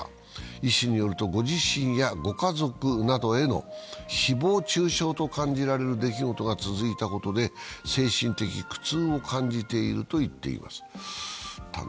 医師よると、ご自身やご家族などへの誹謗中傷と感じられる出来事が続いたことで、精神的苦痛を感じていると言っています。